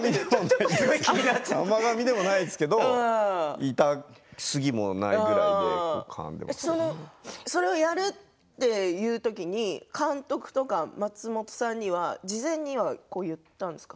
甘がみでもないですけど痛すぎもないぐらいでやるという時に監督とか松本さんには事前には言ったんですか？